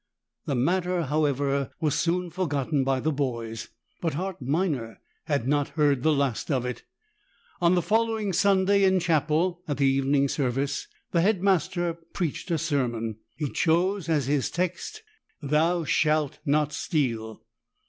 The matter, however, was soon forgotten by the boys, but Hart Minor had not heard the last of it. On the following Sunday in chapel, at the evening service, the Head Master preached a sermon. He chose as his text "Thou shalt not steal!"